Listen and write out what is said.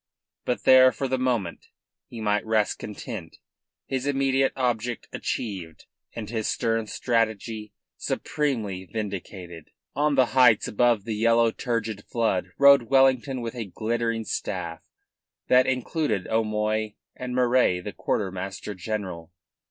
But there for the moment he might rest content, his immediate object achieved and his stern strategy supremely vindicated. On the heights above the yellow, turgid flood rode Wellington with a glittering staff that included O'Moy and Murray, the quartermaster general.